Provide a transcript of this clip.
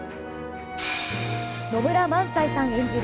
野村萬斎さん演じる